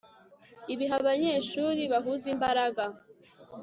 Ibihe abanyeshuri bahuza imbaraga